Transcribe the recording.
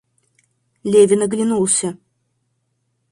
Левин оглянулся.